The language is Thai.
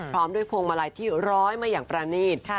พร้อมด้วยพวงมาลัยที่ร้อยมาอย่างประนีต